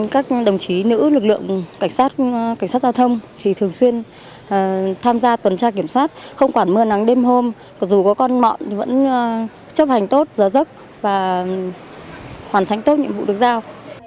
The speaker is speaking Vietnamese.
các đồng chí nữ lực lượng cảnh sát cảnh sát giao thông thì thường xuyên tham gia tuần tra kiểm soát không quản mưa nắng đêm hôm dù có con mọn vẫn chấp hành tốt giờ giấc và hoàn thành tốt nhiệm vụ được giao